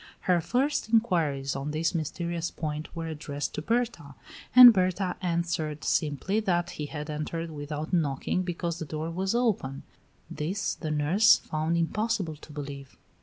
Her first inquiries on this mysterious point were addressed to Berta and Berta answered simply that he had entered without knocking because the door was open. This the nurse found impossible to believe.